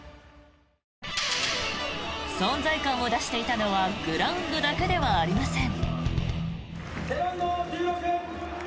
存在感を出していたのはグラウンドだけではありません。